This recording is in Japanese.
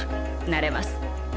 なれます。